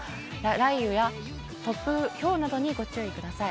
雷雨や突風、ひょうなどにご注意ください。